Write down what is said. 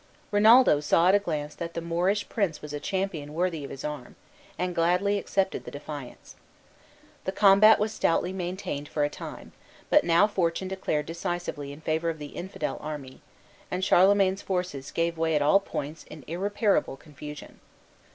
Rinaldo saw at a glance that the Moorish prince was a champion worthy of his arm, and gladly accepted the defiance. The combat was stoutly maintained for a time; but now fortune declared decisively in favor of the infidel army, and Charlemagne's forces gave way at all points in irreparable confusion.